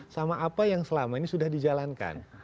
sama apa yang selama ini sudah dijalankan